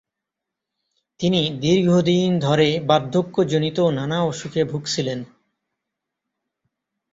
তিনি দীর্ঘদিন ধরে বার্ধক্যজনিত নানা অসুখে ভুগছিলেন।